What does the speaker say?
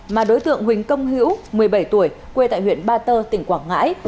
mà đối tượng huỳnh công hữu một mươi bảy tuổi quê tại huyện ba tơ tỉnh quảng ngãi